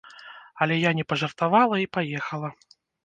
Але я не пажартавала і паехала.